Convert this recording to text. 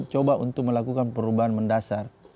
coba untuk melakukan perubahan mendasar